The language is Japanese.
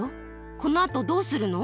このあとどうするの？